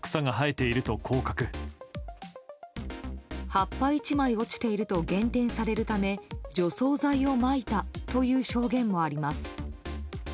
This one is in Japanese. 葉っぱ１枚落ちていると減点されるため除草剤をまいたという証言もあります。